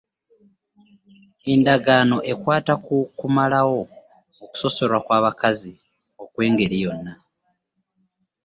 Endagaano ekwata ku Kumalawo Okusosolwa kw’Abakazi okw’Engeri Yonna.